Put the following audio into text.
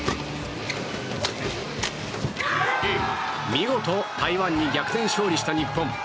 見事台湾に逆転勝利した日本。